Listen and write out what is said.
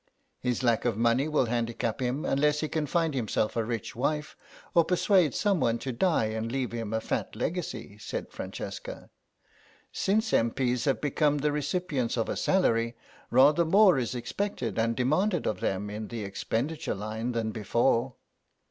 "His lack of money will handicap him, unless he can find himself a rich wife or persuade someone to die and leave him a fat legacy," said Francesca; "since M.P.'s have become the recipients of a salary rather more is expected and demanded of them in the expenditure line than before."